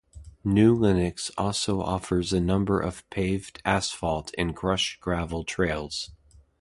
New Lenox also offers a number of paved asphalt and crushed gravel trails.